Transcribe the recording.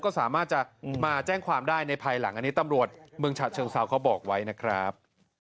ก็สามารถจะมาแจ้งความได้ในภายหลังอันนี้ตำรวจเมืองฉะเชิงเซาเขาบอกไว้นะครับ